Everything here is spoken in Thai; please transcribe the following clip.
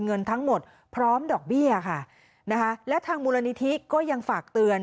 เงินทั้งหมดพร้อมดอกเบี้ยค่ะนะคะและทางมูลนิธิก็ยังฝากเตือน